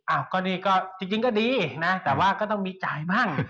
อ้าวก็ดีก็จริงก็ดีนะแต่ว่าก็ต้องมีจ่ายบ้าง